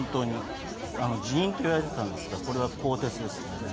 辞任と言われていたんですが、これは更迭ですね。